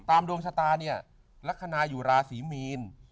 ดวงชะตาเนี่ยลักษณะอยู่ราศีมีน